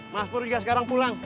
mas pur juga sekarang pulang